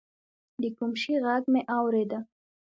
د کوم شي ږغ مې اورېده.